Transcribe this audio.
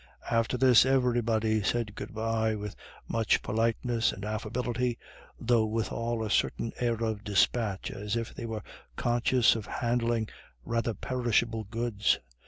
After this everybody said good bye with much politeness and affability, though withal a certain air of despatch, as if they were conscious of handling rather perishable goods.